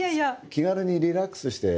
気軽にリラックスして。